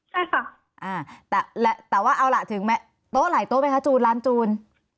ใช่ค่ะแต่ว่าเอาล่ะถึงโต๊ะหลายโต๊ะไหมคะจูนร้านจูน